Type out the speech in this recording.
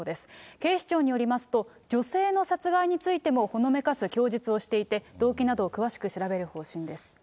警視庁によりますと、女性の殺害についてもほのめかす供述をしていて、動機などを詳しく調べる方針です。